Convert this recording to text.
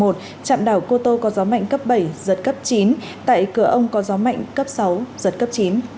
trạm đảo cô tô có gió mạnh cấp bảy giật cấp chín tại cửa ông có gió mạnh cấp sáu giật cấp chín